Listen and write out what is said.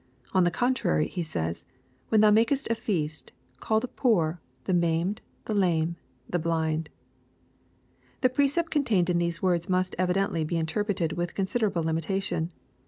On the contrary, He says, " When thou makest a feast, call the poor, the maimed, the lame, the blind." The precept contained in these words must evidently be interpreted with considerable limitation.